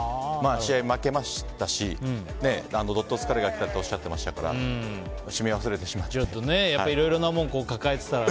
試合負けましたしどっと疲れが来たとおっしゃっていましたから閉め忘れてしまったと。